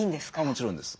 もちろんです。